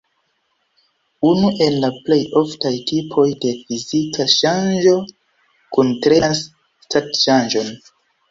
Unu el la plej oftaj tipoj de fizika ŝanĝo kuntrenas stat-ŝanĝon.